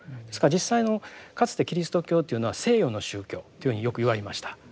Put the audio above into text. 実際のかつてキリスト教というのは西洋の宗教というふうによく言われました。